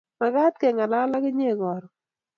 Mekat ke ng'alan ak inye karon